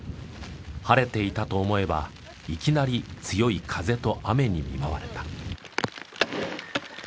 晴れていたと思えばいきなり強い風と雨に見舞われた。